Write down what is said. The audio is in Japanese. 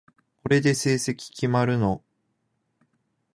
これで成績決まるの？